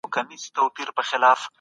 چا پیران اوچا غوثان را ننګوله